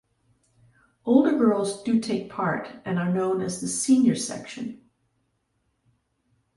Older girls do take part, and are known as the senior section.